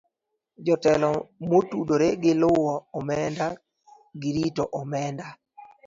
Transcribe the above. Jotelo motudore gi luwo omenda gi rito omenda